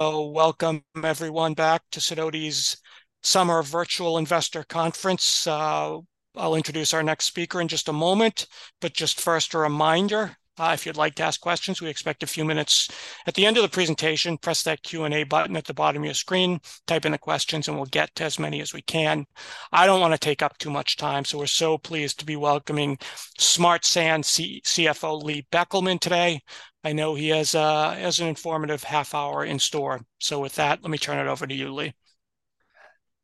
So welcome, everyone, back to Sidoti's summer virtual investor conference. I'll introduce our next speaker in just a moment, but just first, a reminder, if you'd like to ask questions, we expect a few minutes. At the end of the presentation, press that Q&A button at the bottom of your screen, type in the questions, and we'll get to as many as we can. I don't want to take up too much time, so we're so pleased to be welcoming Smart Sand CFO Lee Beckelman today. I know he has an informative half hour in store. So with that, let me turn it over to you, Lee.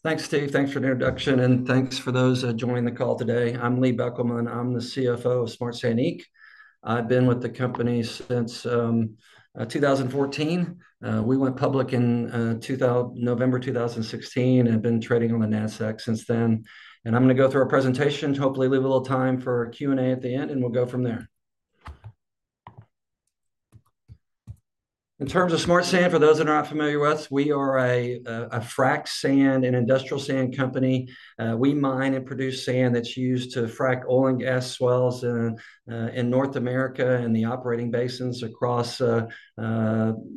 Thanks, Steve. Thanks for the introduction, and thanks for those joining the call today. I'm Lee Beckelman. I'm the CFO of Smart Sand Inc. I've been with the company since 2014. We went public in November 2016, and have been trading on the Nasdaq since then. And I'm gonna go through our presentation, hopefully leave a little time for Q&A at the end, and we'll go from there. In terms of Smart Sand, for those that are not familiar with us, we are a frac sand and industrial sand company. We mine and produce sand that's used to frack oil and gas wells in North America and the operating basins across the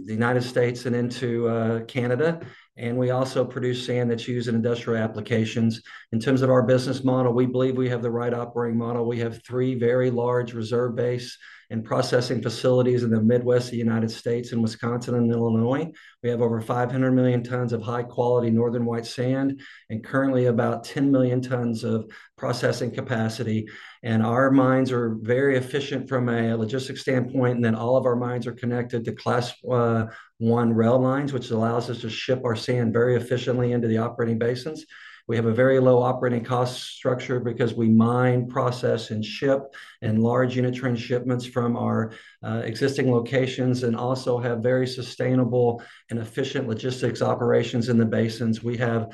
United States and into Canada. And we also produce sand that's used in industrial applications. In terms of our business model, we believe we have the right operating model. We have three very large reserve base and processing facilities in the Midwest, the United States, and Wisconsin, and Illinois. We have over 500 million tons of high-quality Northern White sand, and currently about 10 million tons of processing capacity. Our mines are very efficient from a logistics standpoint, and then all of our mines are connected to Class I rail lines, which allows us to ship our sand very efficiently into the operating basins. We have a very low operating cost structure because we mine, process, and ship in large unit train shipments from our existing locations, and also have very sustainable and efficient logistics operations in the basins. We have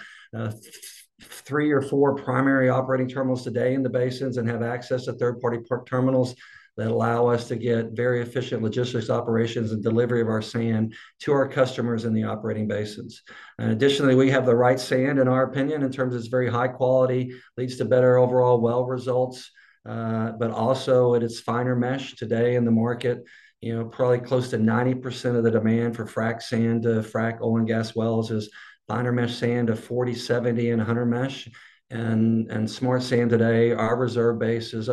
three or four primary operating terminals today in the basins and have access to third-party party terminals that allow us to get very efficient logistics operations and delivery of our sand to our customers in the operating basins. And additionally, we have the right sand, in our opinion, in terms of it's very high quality, leads to better overall well results, but also it is finer mesh. Today in the market, you know, probably close to 90% of the demand for frac sand to frack oil and gas wells is finer mesh sand of 40, 70, and 100 mesh. And Smart Sand today, our reserve base is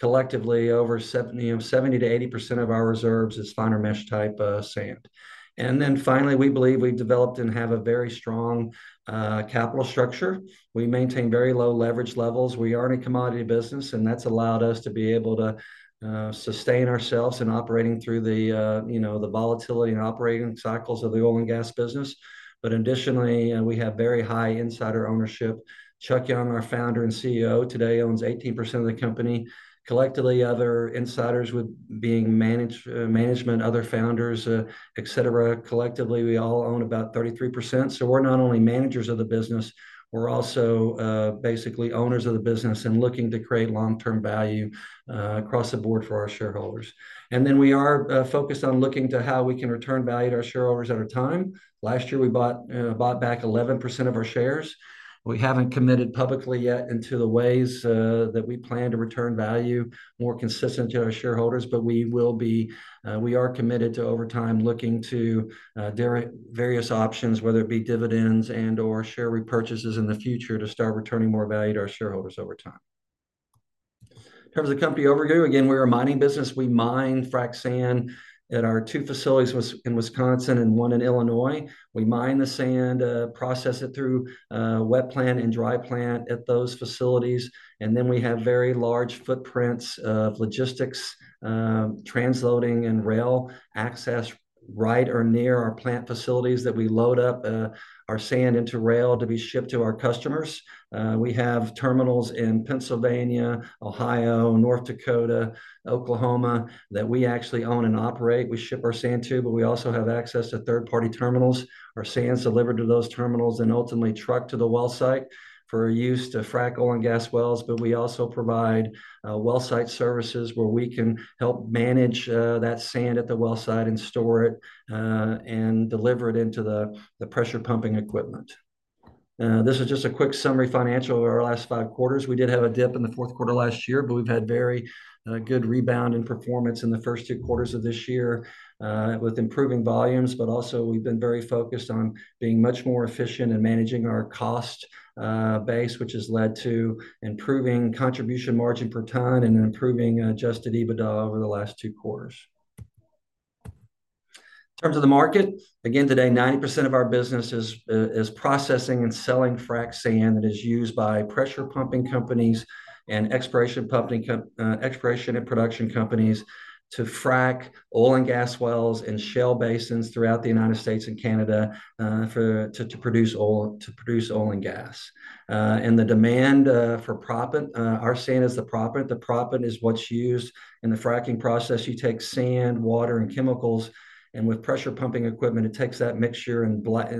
collectively over 70%-80% of our reserves is finer mesh type of sand. And then finally, we believe we've developed and have a very strong capital structure. We maintain very low leverage levels. We are in a commodity business, and that's allowed us to be able to sustain ourselves in operating through the, you know, the volatility and operating cycles of the oil and gas business. But additionally, we have very high insider ownership. Charles Young, our founder and CEO, today owns 18% of the company. Collectively, other insiders with being management, other founders, et cetera, collectively, we all own about 33%. So we're not only managers of the business, we're also basically owners of the business and looking to create long-term value across the board for our shareholders. And then we are focused on looking to how we can return value to our shareholders at our time. Last year, we bought back 11% of our shares. We haven't committed publicly yet into the ways that we plan to return value more consistent to our shareholders, but we are committed to, over time, looking to various options, whether it be dividends and/or share repurchases in the future, to start returning more value to our shareholders over time. In terms of company overview, again, we're a mining business. We mine frac sand at our two facilities, in Wisconsin and one in Illinois. We mine the sand, process it through wet plant and dry plant at those facilities, and then we have very large footprints of logistics, transloading, and rail access right or near our plant facilities that we load up our sand into rail to be shipped to our customers. We have terminals in Pennsylvania, Ohio, North Dakota, Oklahoma, that we actually own and operate. We ship our sand too, but we also have access to third-party terminals. Our sand's delivered to those terminals and ultimately trucked to the well site for use to frack oil and gas wells. But we also provide well site services where we can help manage that sand at the well site and store it and deliver it into the pressure pumping equipment. This is just a quick summary financial of our last five quarters. We did have a dip in the fourth quarter last year, but we've had very good rebound in performance in the first two quarters of this year with improving volumes. But also we've been very focused on being much more efficient in managing our cost base, which has led to improving contribution margin per ton and improving Adjusted EBITDA over the last two quarters. In terms of the market, again, today, 90% of our business is processing and selling frac sand that is used by pressure pumping companies and exploration and production companies to frack oil and gas wells and shale basins throughout the United States and Canada, for, to, to produce oil, to produce oil and gas. And the demand for proppant, our sand is the proppant. The proppant is what's used in the fracking process. You take sand, water, and chemicals, and with pressure pumping equipment, it takes that mixture and blasts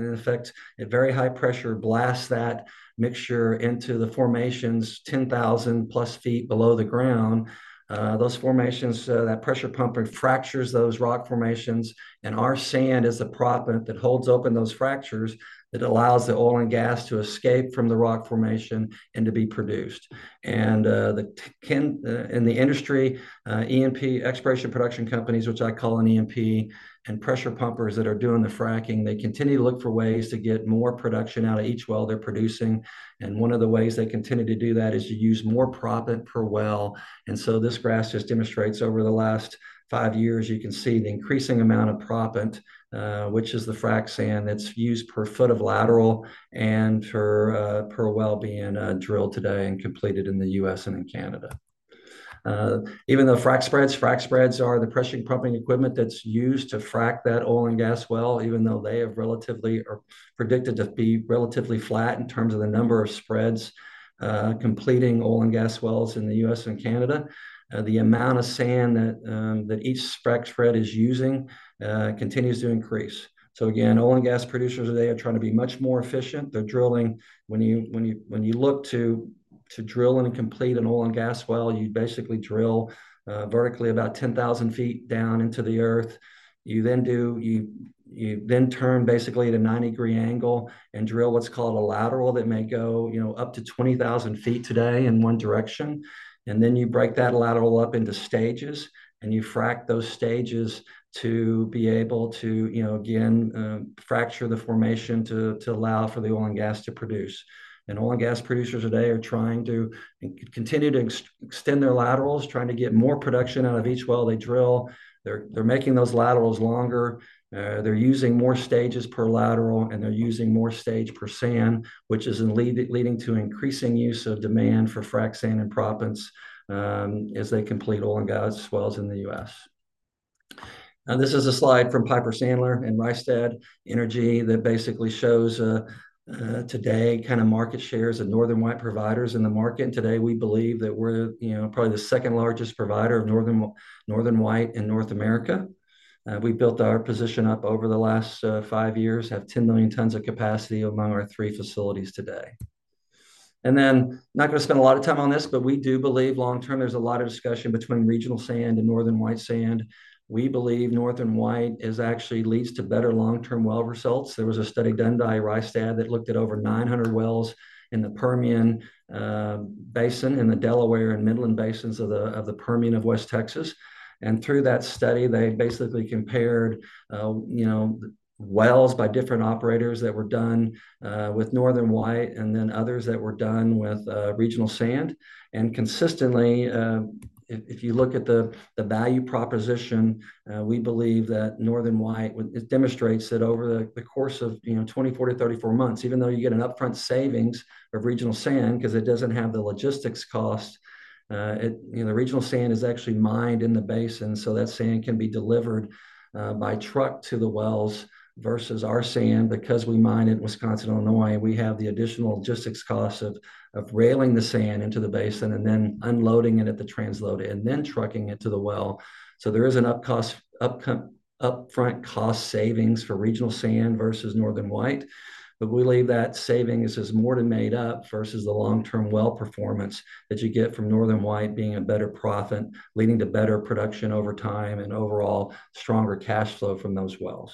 that mixture into the formations 10,000+ ft below the ground at a very high pressure. Those formations that pressure pumping fractures those rock formations, and our sand is the proppant that holds open those fractures that allows the oil and gas to escape from the rock formation and to be produced. And in the industry, E&P, Exploration Production companies, which I call an E&P, and pressure pumpers that are doing the fracking, they continue to look for ways to get more production out of each well they're producing. And one of the ways they continue to do that is to use more proppant per well. And so this graph just demonstrates over the last five years, you can see the increasing amount of proppant, which is the frac sand that's used per foot of lateral and per well being drilled today and completed in the U.S. and in Canada. Even though frac spreads, frac spreads are the pressure pumping equipment that's used to frack that oil and gas well, even though they have relatively or predicted to be relatively flat in terms of the number of spreads completing oil and gas wells in the U.S. and Canada. The amount of sand that each frac spread is using continues to increase. So again, oil and gas producers today are trying to be much more efficient. They're drilling when you look to drill and complete an oil and gas well, you basically drill vertically about 10,000 ft down into the earth. You then turn basically at a 90-degree angle and drill what's called a lateral that may go, you know, up to 20,000 ft today in one direction. And then you break that lateral up into stages, and you frack those stages to be able to, you know, again, fracture the formation to allow for the oil and gas to produce. Oil and gas producers today are trying to continue to extend their laterals, trying to get more production out of each well they drill. They're making those laterals longer, they're using more stages per lateral, and they're using more stage per sand, which is leading to increasing use of demand for frac sand and proppants, as they complete oil and gas wells in the U.S. Now, this is a slide from Piper Sandler and Rystad Energy that basically shows today, kind of market shares of Northern White providers in the market. Today, we believe that we're, you know, probably the second-largest provider of Northern White in North America. We built our position up over the last five years, have 10 million tons of capacity among our three facilities today. Then, not gonna spend a lot of time on this, but we do believe long term, there's a lot of discussion between Regional Sand and Northern White sand. We believe Northern White actually leads to better long-term well results. There was a study done by Rystad that looked at over 900 wells in the Permian Basin, in the Delaware and Midland Basins of the Permian of West Texas. Through that study, they basically compared, you know, wells by different operators that were done with Northern White and then others that were done with Regional Sand. Consistently, if you look at the value proposition, we believe that Northern White, it demonstrates that over the course of, you know, 24-34 months, even though you get an upfront savings of Regional Sand, 'cause it doesn't have the logistics cost, it. You know, the Regional Sand is actually mined in the basin, so that sand can be delivered by truck to the wells, versus our sand, because we mine in Wisconsin, Illinois, we have the additional logistics costs of railing the sand into the basin, and then unloading it at the transloader, and then trucking it to the well. So there is an upfront cost savings for Regional Sand versus Northern White. But we believe that savings is more than made up versus the long-term well performance that you get from Northern White being a better proppant, leading to better production over time and overall stronger cash flow from those wells.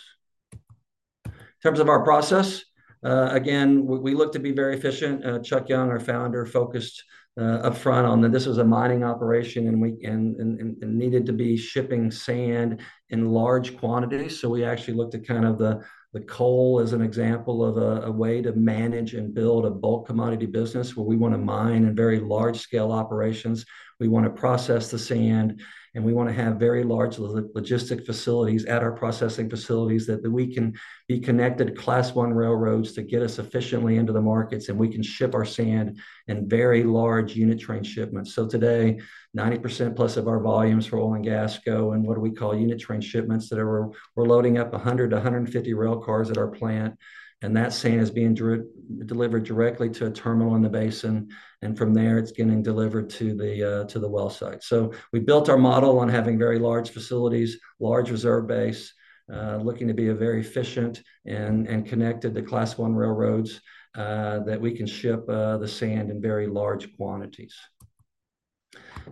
In terms of our process, again, we look to be very efficient. Charles Young, our founder, focused upfront on that this was a mining operation, and we needed to be shipping sand in large quantities. So we actually looked at kind of the coal as an example of a way to manage and build a bulk commodity business, where we wanna mine in very large-scale operations. We wanna process the sand, and we wanna have very large logistic facilities at our processing facilities, that we can be connected to Class I railroads to get us efficiently into the markets, and we can ship our sand in very large unit train shipments. So today, 90% plus of our volumes for oil and gas go in what we call unit train shipments, that are, we're loading up 100-150 rail cars at our plant, and that sand is being delivered directly to a terminal in the basin, and from there, it's getting delivered to the well site. So we built our model on having very large facilities, large reserve base, looking to be a very efficient and connected to Class I railroads, that we can ship the sand in very large quantities.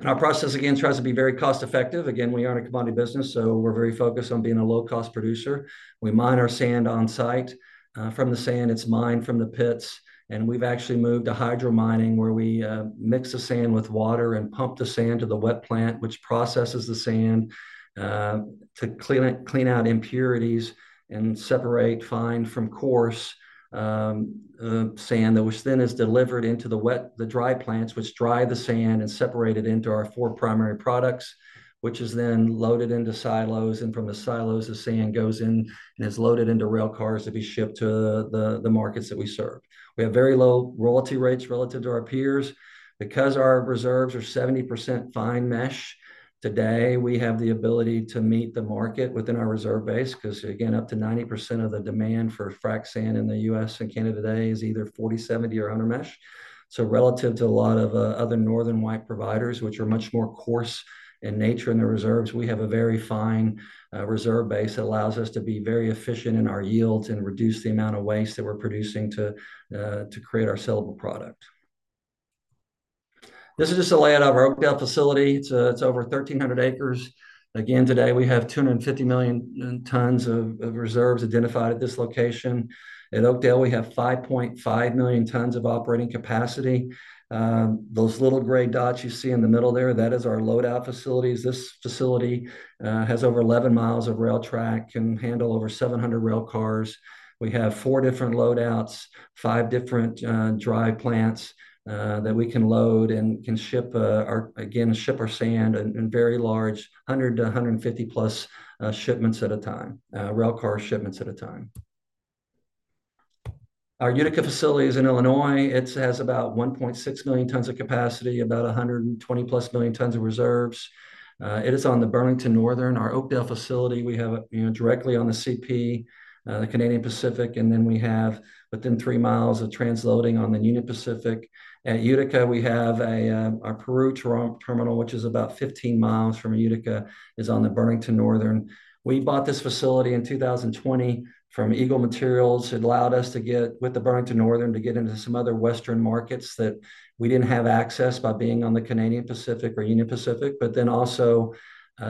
Our process, again, tries to be very cost-effective. Again, we are in a commodity business, so we're very focused on being a low-cost producer. We mine our sand on-site. From the sand, it's mined from the pits, and we've actually moved to hydro mining, where we mix the sand with water and pump the sand to the wet plant, which processes the sand to clean it, clean out impurities and separate fine from coarse sand, that which then is delivered into the dry plants, which dry the sand and separate it into our four primary products, which is then loaded into silos, and from the silos, the sand goes in and is loaded into rail cars to be shipped to the markets that we serve. We have very low royalty rates relative to our peers. Because our reserves are 70% fine mesh, today, we have the ability to meet the market within our reserve base, 'cause again, up to 90% of the demand for frac sand in the US and Canada today is either 40/70 or under mesh. So relative to a lot of other Northern White providers, which are much more coarse in nature in their reserves, we have a very fine reserve base that allows us to be very efficient in our yields and reduce the amount of waste that we're producing to create our sellable product. This is just a layout of our Oakdale facility. It's over 1,300 acres. Again, today, we have 250 million tons of reserves identified at this location. At Oakdale, we have 5.5 million tons of operating capacity. Those little gray dots you see in the middle there, that is our load-out facilities. This facility has over 11 miles of rail track, can handle over 700 rail cars. We have four different load-outs, five different dry plants that we can load and can ship our sand in very large 100 to 150-plus shipments at a time, rail car shipments at a time. Our Utica facility is in Illinois. It has about 1.6 million tons of capacity, about 120-plus million tons of reserves. It is on the Burlington Northern. Our Oakdale facility, we have, you know, directly on the CP, the Canadian Pacific, and then we have within three miles of transloading on the Union Pacific. At Utica, we have a Peru Terminal, which is about 15 miles from Utica, is on the Burlington Northern. We bought this facility in 2020 from Eagle Materials. It allowed us to get, with the Burlington Northern, to get into some other western markets that we didn't have access by being on the Canadian Pacific or Union Pacific. But then also,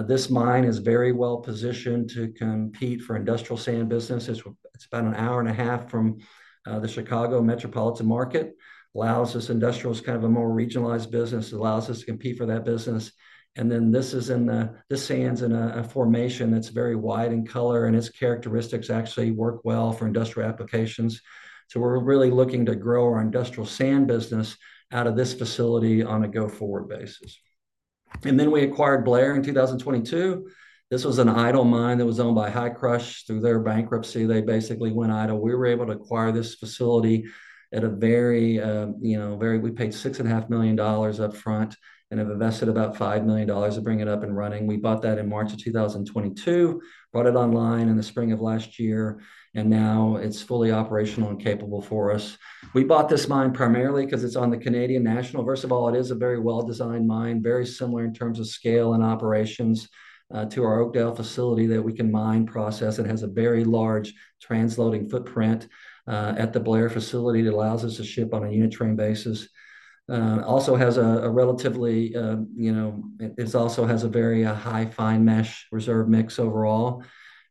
this mine is very well positioned to compete for industrial sand business. It's about an hour and a half from the Chicago metropolitan market. Allows us—industrial is kind of a more regionalized business, it allows us to compete for that business. And then this is in the sand's in a formation that's very white in color, and its characteristics actually work well for industrial applications. So we're really looking to grow our industrial sand business out of this facility on a go-forward basis. And then we acquired Blair in 2022. This was an idle mine that was owned by Hi-Crush. Through their bankruptcy, they basically went idle. We were able to acquire this facility at a very, you know, very... We paid $6.5 million upfront and have invested about $5 million to bring it up and running. We bought that in March 2022, brought it online in the spring of last year, and now it's fully operational and capable for us. We bought this mine primarily 'cause it's on the Canadian National. First of all, it is a very well-designed mine, very similar in terms of scale and operations, to our Oakdale facility, that we can mine, process. It has a very large transloading footprint at the Blair facility that allows us to ship on a unit train basis. It also has a relatively, you know, very high fine mesh reserve mix overall.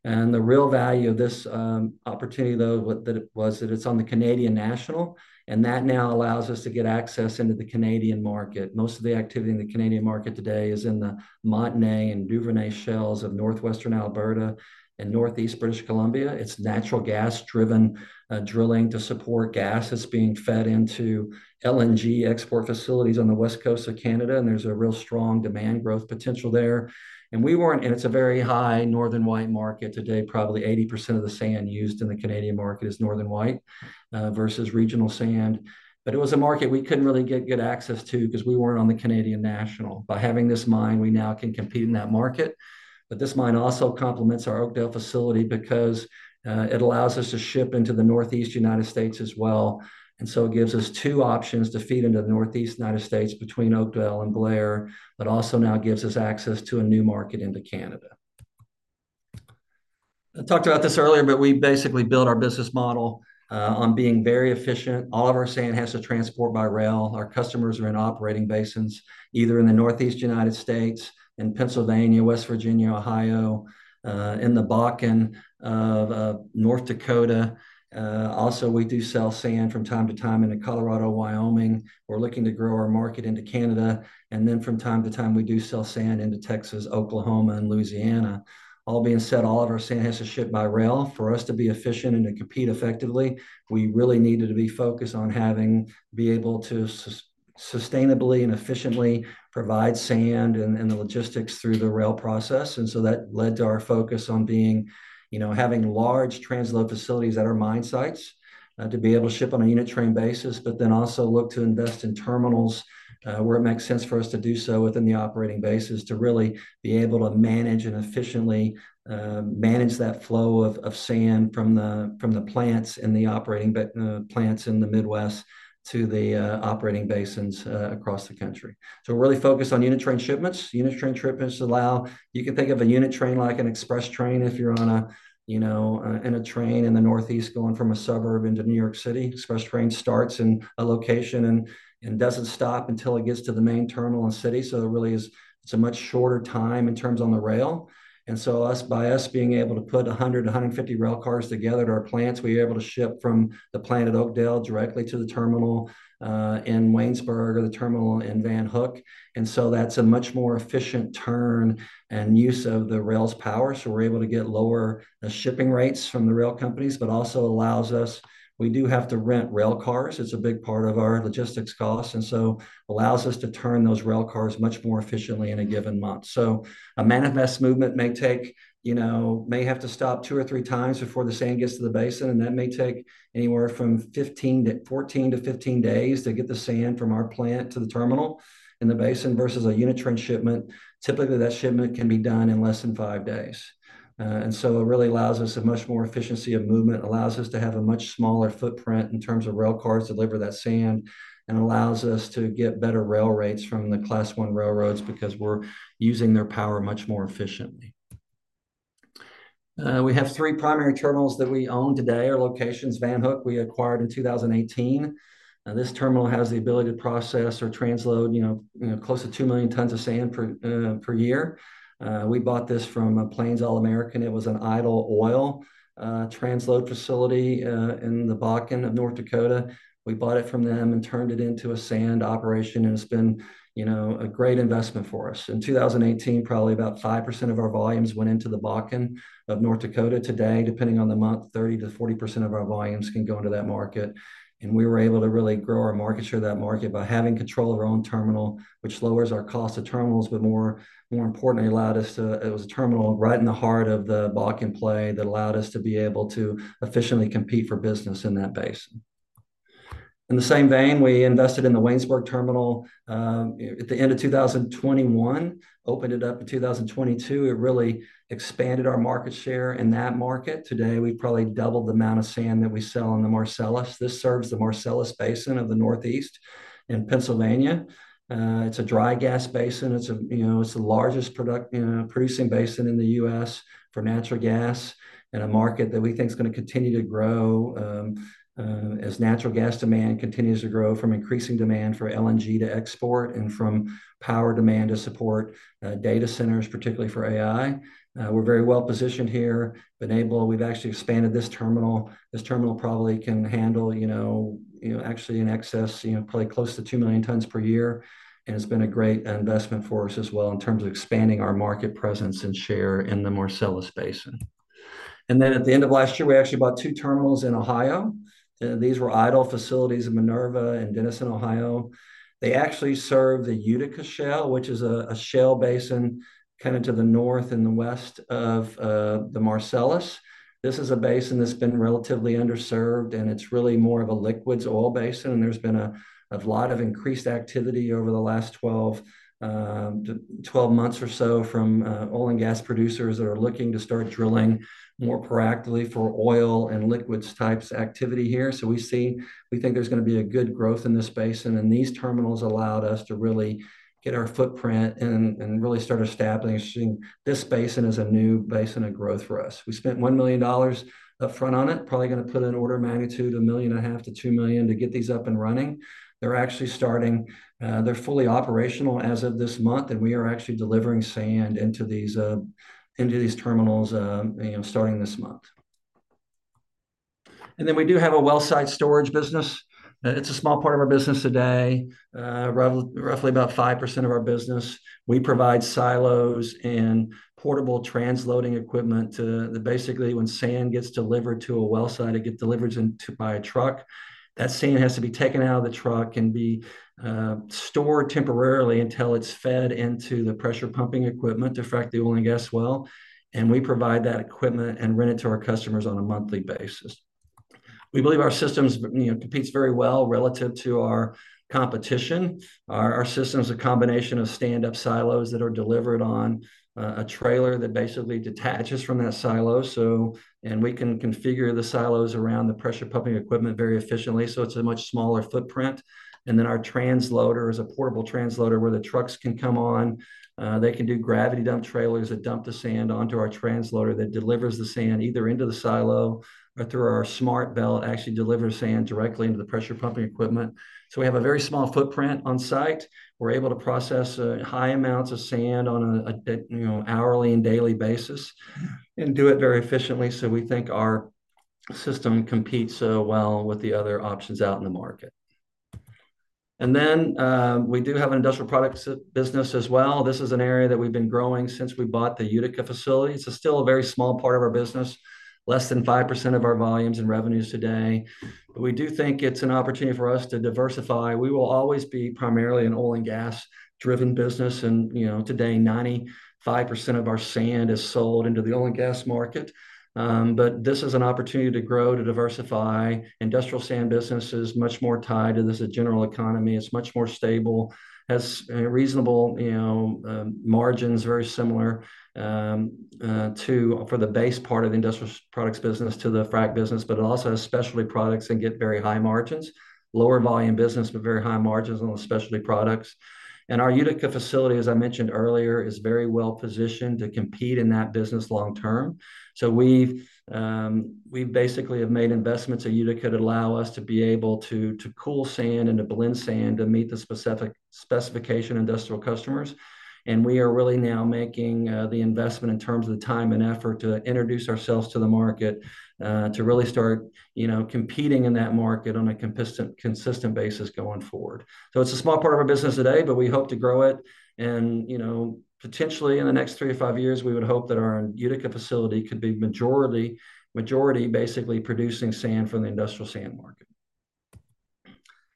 And the real value of this opportunity, though, that it's on the Canadian National, and that now allows us to get access into the Canadian market. Most of the activity in the Canadian market today is in the Montney and Duvernay shales of northwestern Alberta and northeast British Columbia. It's natural gas-driven drilling to support gas that's being fed into LNG export facilities on the west coast of Canada, and there's a real strong demand growth potential there. And it's a very high Northern White market today. Probably 80% of the sand used in the Canadian market is Northern White versus regional sand. But it was a market we couldn't really get good access to 'cause we weren't on the Canadian National. By having this mine, we now can compete in that market. But this mine also complements our Oakdale facility because it allows us to ship into the northeast United States as well. And so it gives us two options to feed into the northeast United States between Oakdale and Blair, but also now gives us access to a new market into Canada. I talked about this earlier, but we basically built our business model on being very efficient. All of our sand has to transport by rail. Our customers are in operating basins, either in the Northeast United States, in Pennsylvania, West Virginia, Ohio, in the Bakken, North Dakota. Also, we do sell sand from time to time into Colorado, Wyoming. We're looking to grow our market into Canada, and then from time to time, we do sell sand into Texas, Oklahoma, and Louisiana. All being said, all of our sand has to ship by rail. For us to be efficient and to compete effectively, we really needed to be focused on being able to sustainably and efficiently provide sand and the logistics through the rail process. And so that led to our focus on being, you know, having large transload facilities at our mine sites, to be able to ship on a unit train basis, but then also look to invest in terminals, where it makes sense for us to do so within the operating bases, to really be able to manage and efficiently manage that flow of sand from the plants in the Midwest to the operating basins across the country. So we're really focused on unit train shipments. Unit train shipments allow... You can think of a unit train like an express train if you're on a, you know, in a train in the northeast, going from a suburb into New York City. Express train starts in a location and doesn't stop until it gets to the main terminal and city, so there really is, it's a much shorter time in terms of the rail. And so, by us being able to put 150 rail cars together at our plants, we're able to ship from the plant at Oakdale directly to the terminal in Waynesburg or the terminal in Van Hook. And so that's a much more efficient turn and use of the rail's power, so we're able to get lower shipping rates from the rail companies, but also allows us, we do have to rent rail cars. It's a big part of our logistics costs, and so allows us to turn those rail cars much more efficiently in a given month. So a manifest movement may take, you know, may have to stop two or three times before the sand gets to the basin, and that may take anywhere from fourteen to fifteen days to get the sand from our plant to the terminal in the basin, versus a unit train shipment. Typically, that shipment can be done in less than five days. And so it really allows us a much more efficiency of movement, allows us to have a much smaller footprint in terms of rail cars to deliver that sand, and allows us to get better rail rates from the Class I railroads because we're using their power much more efficiently. We have three primary terminals that we own today. Our locations, Van Hook, we acquired in 2018. This terminal has the ability to process or transload, you know, you know, close to 2 million tons of sand per year. We bought this from a Plains All American. It was an idle oil transload facility in the Bakken of North Dakota. We bought it from them and turned it into a sand operation, and it's been, you know, a great investment for us. In 2018, probably about 5% of our volumes went into the Bakken of North Dakota. Today, depending on the month, 30%-40% of our volumes can go into that market. And we were able to really grow our market share, that market, by having control of our own terminal, which lowers our cost of terminals, but more, more importantly, allowed us to. It was a terminal right in the heart of the Bakken play that allowed us to be able to efficiently compete for business in that basin. In the same vein, we invested in the Waynesburg terminal at the end of 2021. Opened it up in 2022. It really expanded our market share in that market. Today, we've probably doubled the amount of sand that we sell in the Marcellus. This serves the Marcellus Basin of the Northeast in Pennsylvania. It's a dry gas basin. It's a, you know, it's the largest product, producing basin in the U.S. for natural gas, and a market that we think is going to continue to grow, as natural gas demand continues to grow from increasing demand for LNG to export and from power demand to support, data centers, particularly for AI. We're very well positioned here. We've actually expanded this terminal. This terminal probably can handle, you know, you know, actually in excess, you know, probably close to 2 million tons per year, and it's been a great investment for us as well in terms of expanding our market presence and share in the Marcellus Basin. And then, at the end of last year, we actually bought two terminals in Ohio. These were idle facilities in Minerva and Dennison, Ohio. They actually serve the Utica Shale, which is a shale basin kind of to the north and the west of the Marcellus Shale. This is a basin that's been relatively underserved, and it's really more of a liquids oil basin, and there's been a lot of increased activity over the last 12 months or so from oil and gas producers that are looking to start drilling more proactively for oil and liquids types activity here. So we think there's going to be a good growth in this basin, and these terminals allowed us to really get our footprint and, and really start establishing this basin as a new basin of growth for us. We spent $1 million upfront on it. Probably going to put an order of magnitude of $1.5 million-$2 million to get these up and running. They're actually starting. They're fully operational as of this month, and we are actually delivering sand into these terminals, you know, starting this month. And then we do have a well site storage business. It's a small part of our business today, roughly about 5% of our business. We provide silos and portable transloading equipment to. Basically, when sand gets delivered to a well site, it get delivered by a truck. That sand has to be taken out of the truck and be stored temporarily until it's fed into the pressure pumping equipment to frack the oil and gas well, and we provide that equipment and rent it to our customers on a monthly basis. We believe our systems, you know, competes very well relative to our competition. Our system is a combination of stand-up silos that are delivered on a trailer that basically detaches from that silo, so and we can configure the silos around the pressure pumping equipment very efficiently, so it's a much smaller footprint. And then our transloader is a portable transloader, where the trucks can come on. They can do gravity dump trailers that dump the sand onto our transloader, that delivers the sand either into the silo or, through our SmartBelt, actually delivers sand directly into the pressure pumping equipment. So we have a very small footprint on site. We're able to process high amounts of sand on a you know, hourly and daily basis, and do it very efficiently. So we think our system competes so well with the other options out in the market. And then, we do have an industrial sand business as well. This is an area that we've been growing since we bought the Utica facility. It's still a very small part of our business, less than 5% of our volumes and revenues today. But we do think it's an opportunity for us to diversify. We will always be primarily an oil and gas-driven business, and, you know, today, 95% of our sand is sold into the oil and gas market. But this is an opportunity to grow, to diversify. Industrial sand business is much more tied to just the general economy. It's much more stable, has reasonable, you know, margins, very similar for the base part of the industrial products business to the frac business. But it also has specialty products that get very high margins. Lower volume business, but very high margins on the specialty products. And our Utica facility, as I mentioned earlier, is very well positioned to compete in that business long term. So we've basically made investments at Utica that allow us to be able to cool sand and to blend sand to meet the specific specification of industrial customers. And we are really now making the investment in terms of the time and effort to introduce ourselves to the market to really start, you know, competing in that market on a consistent, consistent basis going forward. So it's a small part of our business today, but we hope to grow it, and, you know, potentially in the next three to five years, we would hope that our Utica facility could be majority, majority basically producing sand for the industrial sand market.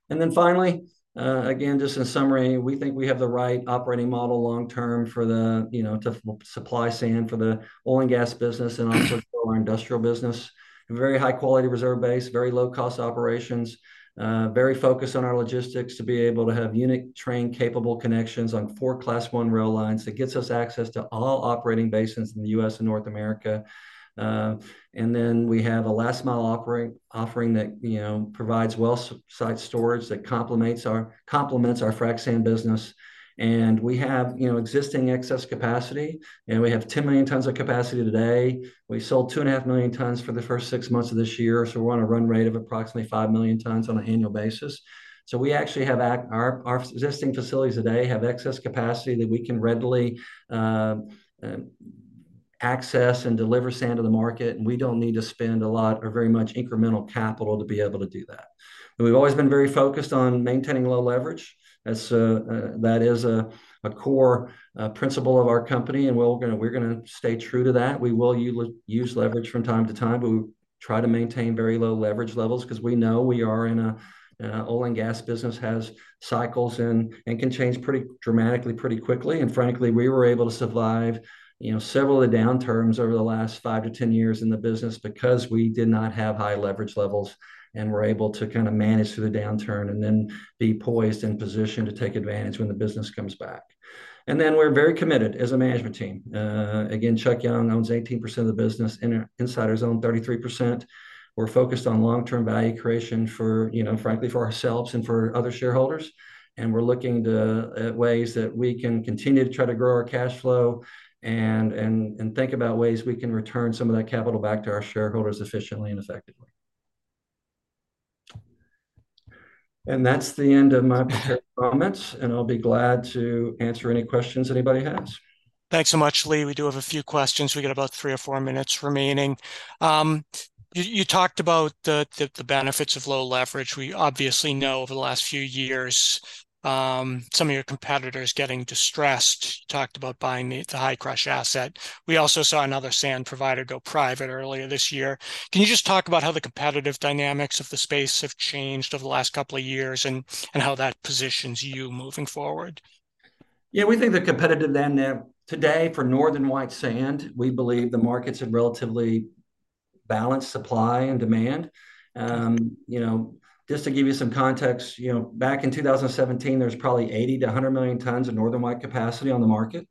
And then finally, again, just in summary, we think we have the right operating model long term for the, you know, to supply sand for the oil and gas business, and also for our industrial business. A very high-quality reserve base, very low-cost operations, very focused on our logistics to be able to have unit train-capable connections on four Class I rail lines that gets us access to all operating basins in the U.S. and North America. And then we have a last-mile offering that, you know, provides well site storage that complements our frac sand business. And we have, you know, existing excess capacity, and we have 10 million tons of capacity today. We sold 2.5 million tons for the first six months of this year, so we're on a run rate of approximately 5 million tons on an annual basis. So we actually have our existing facilities today have excess capacity that we can readily access and deliver sand to the market, and we don't need to spend a lot or very much incremental capital to be able to do that. And we've always been very focused on maintaining low leverage. That's that is a core principle of our company, and we're gonna, we're gonna stay true to that. We will use leverage from time to time, but we-... Try to maintain very low leverage levels, 'cause we know we are in an oil and gas business, has cycles and can change pretty dramatically pretty quickly. And frankly, we were able to survive, you know, several of the downturns over the last five-10 years in the business because we did not have high leverage levels, and were able to kind of manage through the downturn, and then be poised and positioned to take advantage when the business comes back. And then we're very committed as a management team. Again, Charles Young owns 18% of the business, and insiders own 33%. We're focused on long-term value creation for, you know, frankly for ourselves and for other shareholders, and we're looking to, at ways that we can continue to try to grow our cash flow and think about ways we can return some of that capital back to our shareholders efficiently and effectively. That's the end of my prepared comments, and I'll be glad to answer any questions anybody has. Thanks so much, Lee. We do have a few questions. We've got about three or four minutes remaining. You talked about the benefits of low leverage. We obviously know over the last few years, some of your competitors getting distressed. You talked about buying the Hi-Crush asset. We also saw another sand provider go private earlier this year. Can you just talk about how the competitive dynamics of the space have changed over the last couple of years, and how that positions you moving forward? Yeah, we think the competitive dynamic today for Northern White sand, we believe the markets have relatively balanced supply and demand. You know, just to give you some context, you know, back in 2017, there was probably 80-100 million tons of Northern White capacity on the market.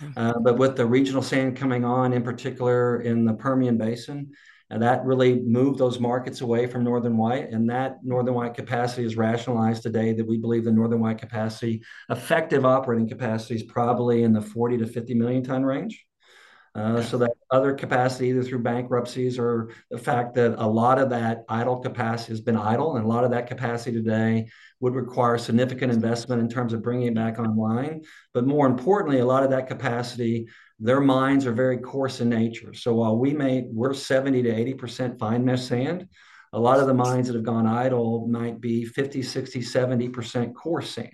Mm. But with the regional sand coming on, in particular in the Permian Basin, and that really moved those markets away from Northern White, and that Northern White capacity is rationalized today, that we believe the Northern White capacity, effective operating capacity, is probably in the 40-50 million ton range. So that other capacity, either through bankruptcies or the fact that a lot of that idle capacity has been idle, and a lot of that capacity today would require significant investment in terms of bringing it back online. But more importantly, a lot of that capacity, their mines are very coarse in nature. So while we may... We're 70%-80% fine mesh sand, a lot of the mines that have gone idle might be 50%, 60%, 70% coarse sand.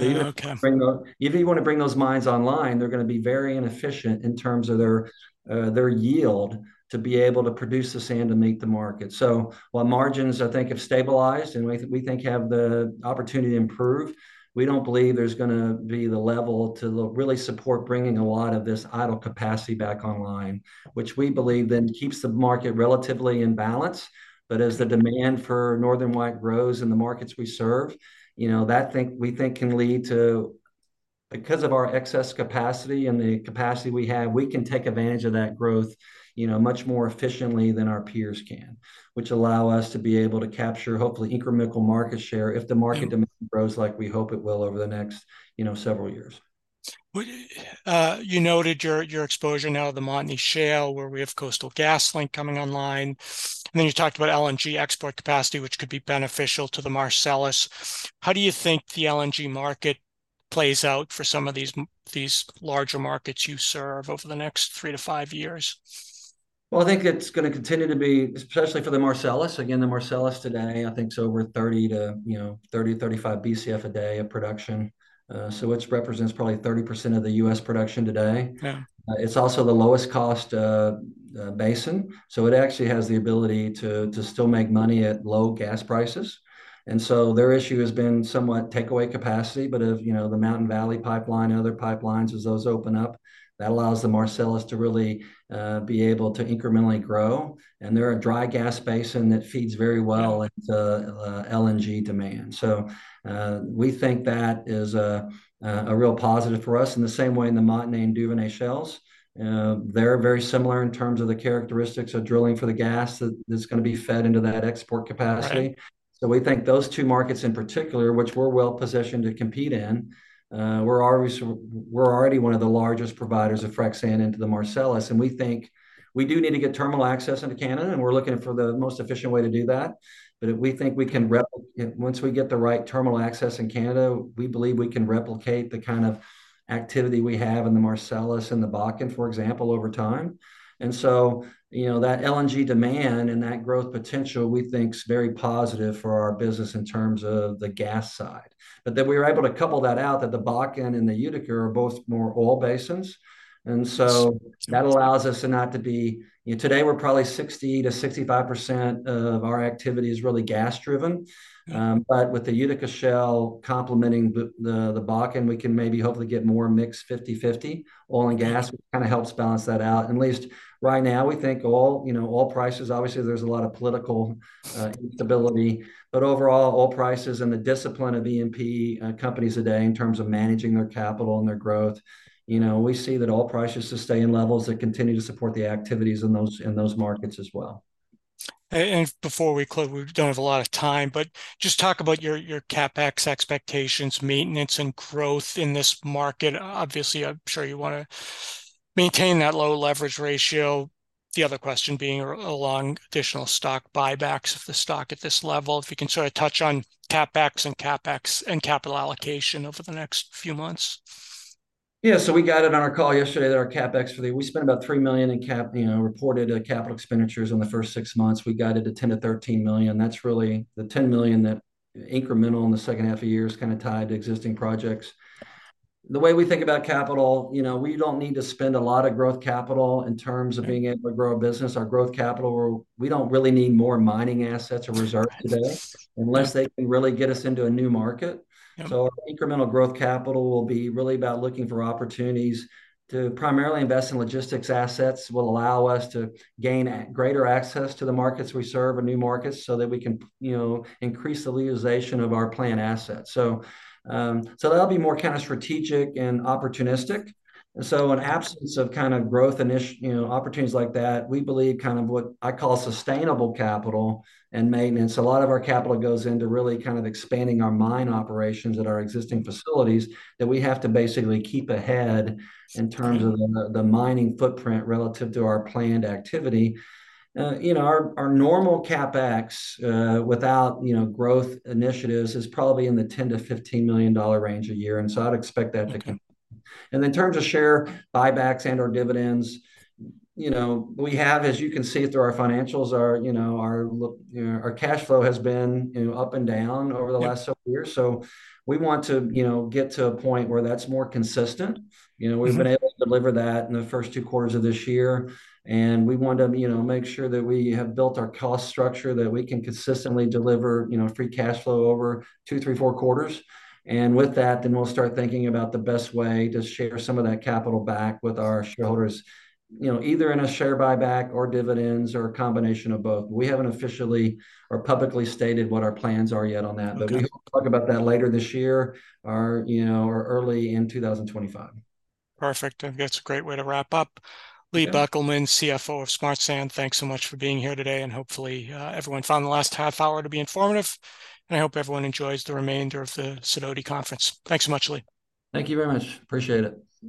Yeah, okay. So even if you bring those, even if you want to bring those mines online, they're going to be very inefficient in terms of their yield, to be able to produce the sand to meet the market. So while margins, I think, have stabilized, and we think have the opportunity to improve, we don't believe there's going to be the level to really support bringing a lot of this idle capacity back online, which we believe then keeps the market relatively in balance. But as the demand for Northern White grows in the markets we serve, you know, that we think can lead to... Because of our excess capacity and the capacity we have, we can take advantage of that growth, you know, much more efficiently than our peers can, which allow us to be able to capture, hopefully, incremental market share if the market demand grows like we hope it will over the next, you know, several years. Well, you noted your exposure now to the Montney Shale, where we have Coastal GasLink coming online, and then you talked about LNG export capacity, which could be beneficial to the Marcellus. How do you think the LNG market plays out for some of these larger markets you serve over the next three to five years? Well, I think it's going to continue to be, especially for the Marcellus... Again, the Marcellus today, I think it's over 30 to, you know, 30-35 BCF a day of production. So which represents probably 30% of the U.S. production today. Yeah. It's also the lowest cost basin, so it actually has the ability to still make money at low gas prices. And so their issue has been somewhat takeaway capacity, but if, you know, the Mountain Valley Pipeline and other pipelines, as those open up, that allows the Marcellus to really be able to incrementally grow. And they're a dry gas basin that feeds very well- Yeah... into LNG demand. So, we think that is a real positive for us. In the same way, in the Montney and Duvernay shales, they're very similar in terms of the characteristics of drilling for the gas that's going to be fed into that export capacity. Right. So we think those two markets in particular, which we're well-positioned to compete in, we're already one of the largest providers of frac sand into the Marcellus, and we think we do need to get terminal access into Canada, and we're looking for the most efficient way to do that. But if we think we can, once we get the right terminal access in Canada, we believe we can replicate the kind of activity we have in the Marcellus and the Bakken, for example, over time. And so, you know, that LNG demand and that growth potential, we think is very positive for our business in terms of the gas side. But then we were able to couple that out, that the Bakken and the Utica are both more oil basins, and so- Yes... that allows us to not to be... You know, today, we're probably 60%-65% of our activity is really gas-driven. But with the Utica Shale complementing the Bakken, we can maybe hopefully get more mixed 50/50 oil and gas, which kind of helps balance that out. At least right now, we think oil, you know, oil prices, obviously there's a lot of political instability, but overall, oil prices and the discipline of E&P companies today in terms of managing their capital and their growth, you know, we see that oil prices sustain levels that continue to support the activities in those markets as well. And before we close, we don't have a lot of time, but just talk about your CapEx expectations, maintenance, and growth in this market. Obviously, I'm sure you want to maintain that low leverage ratio. The other question being around additional stock buybacks if the stock at this level, if you can sort of touch on tax and CapEx and capital allocation over the next few months. Yeah, so we guided on our call yesterday that our CapEx for the... We spent about $3 million in, you know, reported capital expenditures in the first six months. We guided to $10 million-$13 million. That's really, the $10 million, that incremental in the second half of the year is kind of tied to existing projects. The way we think about capital, you know, we don't need to spend a lot of growth capital in terms of being able to grow our business. Our growth capital, we don't really need more mining assets or reserves today, unless they can really get us into a new market. Yeah. So incremental growth capital will be really about looking for opportunities to primarily invest in logistics assets, will allow us to gain a greater access to the markets we serve, or new markets, so that we can, you know, increase the utilization of our plant assets. So, so that'll be more kind of strategic and opportunistic. And so in absence of kind of growth you know, opportunities like that, we believe kind of what I call sustainable capital and maintenance. A lot of our capital goes into really kind of expanding our mine operations at our existing facilities, that we have to basically keep ahead- Sure... in terms of the mining footprint relative to our planned activity. You know, our normal CapEx, without, you know, growth initiatives, is probably in the $10 million-$15 million range a year, and so I'd expect that to continue. And in terms of share buybacks and/or dividends, you know, we have, as you can see through our financials, our, you know, our cash flow has been, you know, up and down over the last several years. Yeah. We want to, you know, get to a point where that's more consistent. Mm-hmm. You know, we've been able to deliver that in the first two quarters of this year, and we want to, you know, make sure that we have built our cost structure, that we can consistently deliver, you know, free cash flow over two, three, four quarters. And with that, then we'll start thinking about the best way to share some of that capital back with our shareholders, you know, either in a share buyback or dividends, or a combination of both. We haven't officially or publicly stated what our plans are yet on that- Okay... but we hope to talk about that later this year or, you know, or early in 2025. Perfect, and that's a great way to wrap up. Yeah. Lee Beckelman, CFO of Smart Sand, thanks so much for being here today, and hopefully, everyone found the last half hour to be informative, and I hope everyone enjoys the remainder of the Sidoti Conference. Thanks so much, Lee. Thank you very much. Appreciate it.